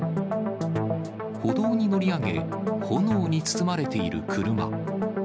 歩道に乗り上げ、炎に包まれている車。